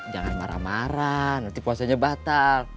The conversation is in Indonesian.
jangan marah marah nanti puasanya batal